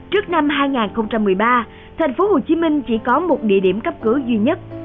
trước năm hai nghìn một mươi ba thành phố hồ chí minh chỉ có một địa điểm cấp cứu duy nhất